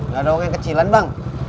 gak ada uang yang kecilan bang